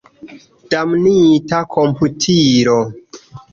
Damnita komputilo!